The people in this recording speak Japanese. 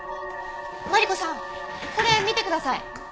マリコさんこれ見てください。